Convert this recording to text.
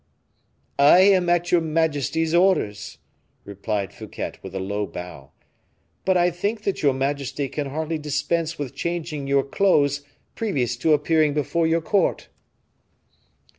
"I am at your majesty's orders," replied Fouquet, with a low bow; "but I think that your majesty can hardly dispense with changing your clothes previous to appearing before your court."